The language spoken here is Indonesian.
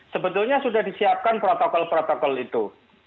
sebetulnya sudah disiapkan protokol protokol itu